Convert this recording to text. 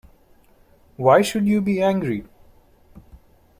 Why should you be angry?